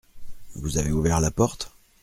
Vous avez ouvert la porte ?